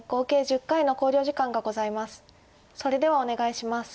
それではお願いします。